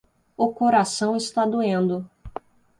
O coração está doendo.